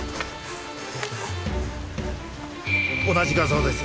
同じ画像です。